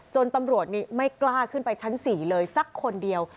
ตำรวจนี่ไม่กล้าขึ้นไปชั้น๔เลยสักคนเดียว